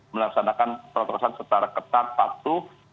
melaksanakan protokolsan secara ketat patuh